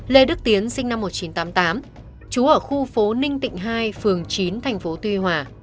lê đức tiến sinh năm một nghìn chín trăm tám mươi tám trú ở khu phố ninh tịnh hai phường chín thành phố tuy hòa